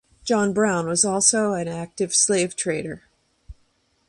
John Brown was also an active slave trader.